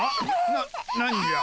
な何じゃ？